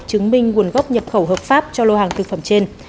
chứng minh nguồn gốc nhập khẩu hợp pháp cho lô hàng thực phẩm trên